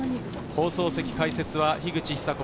放送席、解説は樋口久子